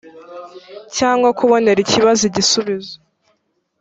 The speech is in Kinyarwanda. cyangwa kubonera ikibazo igisubizo